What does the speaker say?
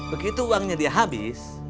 begitu uangnya dia habis